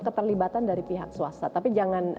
keterlibatan dari pihak swasta tapi jangan